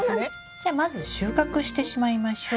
じゃあまず収穫してしまいましょう。